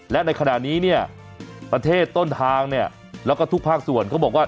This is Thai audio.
และในขณะนี้เนี่ยประเทศต้นทางเนี่ยแล้วก็ทุกภาคส่วนเขาบอกว่า